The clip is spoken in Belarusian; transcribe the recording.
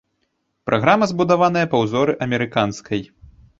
Праграма збудаваная па ўзоры амерыканскай.